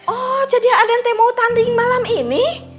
oh jadi adente mau tandingin malam ini